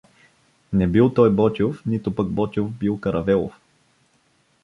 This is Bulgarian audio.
Не бил той Ботйов, нито пък Ботйов бил Каравелов.